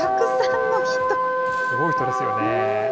すごい人ですよね。